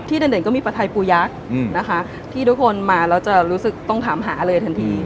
เด่นก็มีปลาไทยปูยักษ์นะคะที่ทุกคนมาแล้วจะรู้สึกต้องถามหาเลยทันที